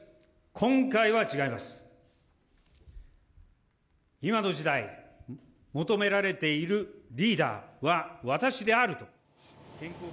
今の時代、求められているリーダーは私であると。